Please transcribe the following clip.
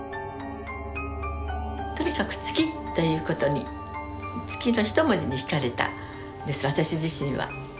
とにかく月っていうことに月の一文字にひかれたんです私自身は。